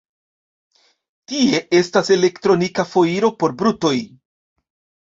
Tie estas elektronika foiro por brutoj.